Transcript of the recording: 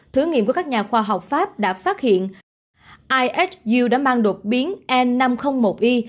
thử nghiệm của các nhà khoa học pháp đã phát hiện isu đã mang đột biến n năm trăm linh một i